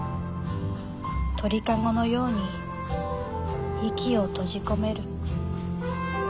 鳥籠のように息を閉じ込める。